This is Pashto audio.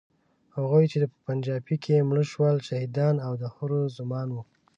هغوی چې په پنجابۍ کې مړه شول، شهیدان او د حورو زومان وو.